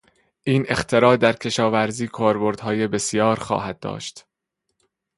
این اختراع در کشاورزی کاربردهای بسیار خواهد داشت.